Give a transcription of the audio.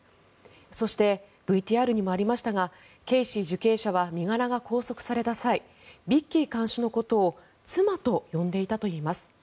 そして、ＶＴＲにもありましたがケイシー受刑者は身柄が拘束された際ビッキー看守のことを妻と呼んでいたといいます。